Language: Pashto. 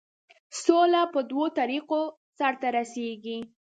سوله په دوو طریقو سرته رسیږي.